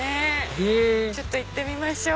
へぇちょっと行ってみましょう。